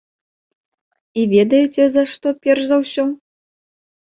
І ведаеце за што перш за ўсё?